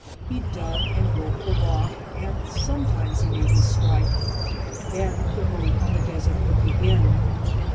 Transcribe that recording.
He dug and broke the rock, and sometimes he made his "strike." Then the boom on the desert would begin.